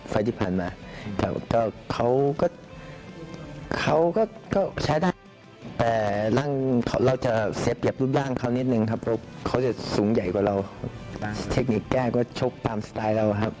สูงใหญ่กว่าเราเทคนิคแก้ก็ชกตามสไตล์เราครับ